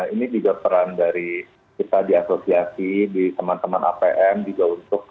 ini juga peran dari kita di asosiasi di teman teman apm juga untuk